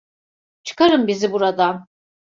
Çıkarın bizi buradan!